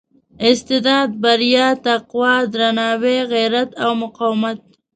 استعداد بریا تقوا درناوي غیرت او مقاومت.